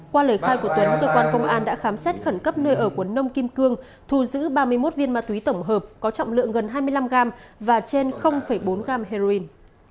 qua lời khai của tuấn cơ quan công an đã khám xét khẩn cấp nơi ở của nông kim cương thu giữ ba mươi một viên ma túy tổng hợp có trọng lượng gần hai mươi năm gram và trên bốn gram heroin